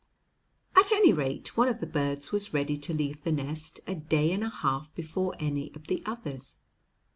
At any rate, one of the birds was ready to leave the nest a day and a half before any of the others.